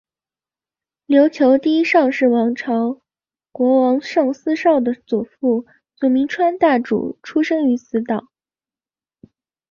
琉球第一尚氏王朝国王尚思绍的祖父佐铭川大主出生于此岛。